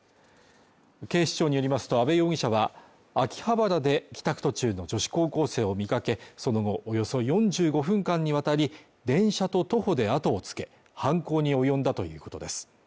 警視庁によりますと阿部容疑者は、秋葉原で帰宅途中の女子高校生を見かけ、その後およそ４５分間にわたり、電車と徒歩で後をつけ、犯行に及んだということです。